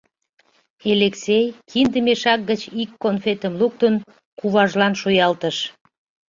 Элексей, кинде мешак гыч ик конфетым луктын, куважлан шуялтыш.